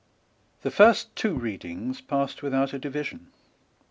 The first two readings passed without a division.